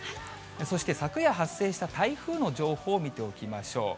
そして昨夜発生した台風の情報を見ておきましょう。